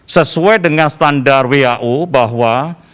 sesuai dengan standar wau bahwa